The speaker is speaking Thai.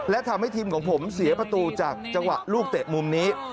และทำให้ทีมของผมเสียประตูจากจังหวะลูกเตะมุมนี้